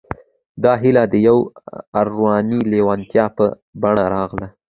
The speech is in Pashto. دا هيله د يوې اورنۍ لېوالتيا په بڼه راغله.